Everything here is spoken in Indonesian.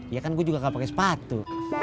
iya kan gue juga gak pake sepatu